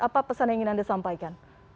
apa pesan yang ingin anda sampaikan